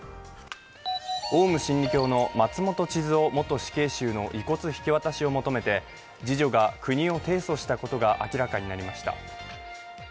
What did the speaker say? オウム真理教の松本智津夫元死刑囚の遺骨引き渡しを求めて、次女が国を提訴したことが明らかになりました。